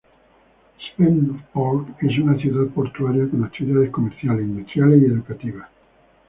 Svendborg es una ciudad portuaria con actividades comerciales, industriales y educativas.